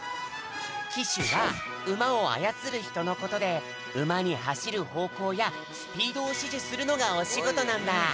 きしゅはうまをあやつるひとのことでうまにはしるほうこうやスピードをしじするのがおしごとなんだ。